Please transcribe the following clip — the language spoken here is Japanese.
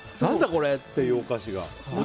これっていうお菓子が。